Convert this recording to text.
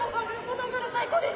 最高です。